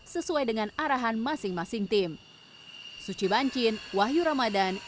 sesuai dengan arahan masing masing tim